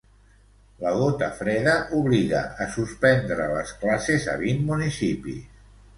La gota freda obliga a suspendre les classes a vint municipis.